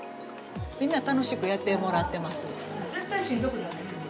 みんな楽しくやってもらってます。